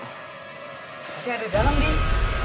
ada di dalam nia